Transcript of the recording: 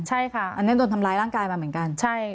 ใช่ค่ะอันนี้โดนทำร้ายร่างกายมาเหมือนกัน